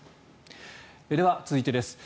では、続いてです。